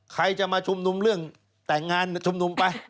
ใครจะมาชุมนุมเรื่องแต่งงานชุมนุมไป